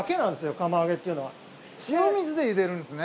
塩水で茹でるんですね。